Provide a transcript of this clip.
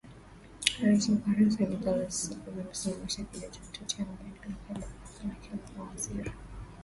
rais wa ufaransa nicolas sarkozy amesimama kidete kutetea mabadiliko la baraza lake la mawaziri